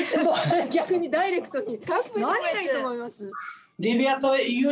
逆にダイレクトに何がいいと思います？